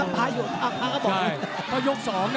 พาหยดทางพาก็บอก